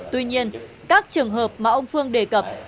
tuy nhiên các trường hợp mà ông phương đề cập